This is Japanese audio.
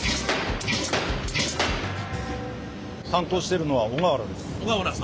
担当しているのは小川原です。